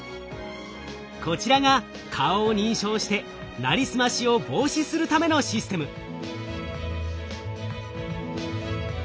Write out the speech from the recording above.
こちらが顔を認証してなりすましを防止するためのシステム。